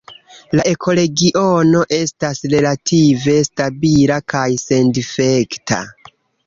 La ekoregiono estas relative stabila kaj sendifekta.